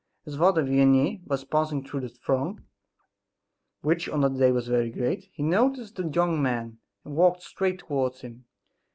As Father Vianney was passing through the throng, which on that day was very great, he noticed the young man, and walked straight towards him.